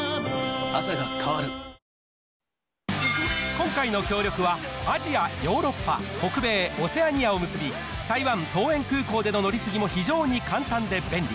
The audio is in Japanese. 今回の協力は、アジア、ヨーロッパ、北米、オセアニアを結び、台湾桃園空港での乗り継ぎも非常に簡単で便利。